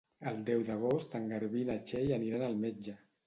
El deu d'agost en Garbí i na Txell aniran al metge.